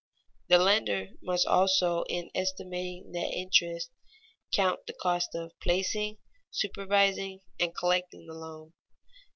The lender must also, in estimating net interest, count the cost of placing, supervising, and collecting the loan.